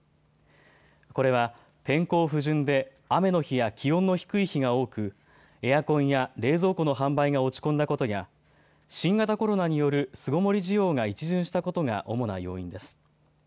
これは天候不順で雨の日や気温の低い日が多くエアコンや冷蔵庫の販売が落ち込んだことや新型コロナによる巣ごもり需要が一巡したことが主な要因です。